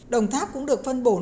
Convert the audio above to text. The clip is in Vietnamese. đồng tháp cũng được phân bổ